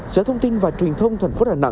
sở thông tin và truyền thông tp hcm